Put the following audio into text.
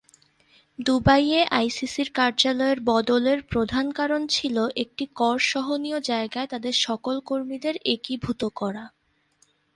দুবাইয়ে আইসিসির কার্যালয়ের বদলের প্রধান কারণ ছিল একটি কর সহনীয় জায়গায় তাদের সকল কর্মীদের একীভূত করা।